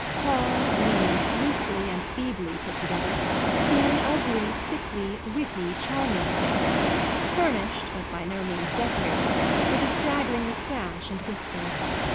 Tall, lean, loosely and feebly put together, he had an ugly, sickly, witty, charming face, furnished, but by no means decorated, with a straggling moustache and whisker.